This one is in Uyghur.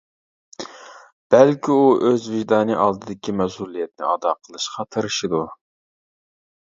بەلكى ئۇ ئۆز ۋىجدانى ئالدىدىكى مەسئۇلىيەتنى ئادا قىلىشقا تىرىشىدۇ.